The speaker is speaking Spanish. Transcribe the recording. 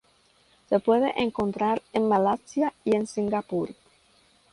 Se puede encontrar en Malasia y en Singapur.